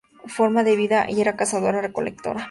La forma de vida era cazadora-recolectora.